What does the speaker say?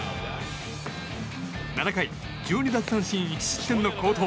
７回、１２奪三振１失点の好投。